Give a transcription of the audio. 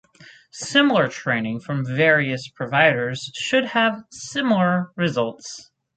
Similar training from various providers should have similar results.